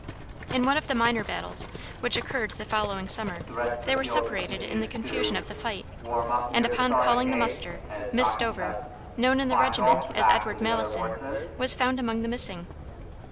In one of the minor battles which occurred the following summer they were separated in the confusion of the fight, and upon calling the muster, Miss Stover, known in the regiment as Edward Malison, was found among the missing.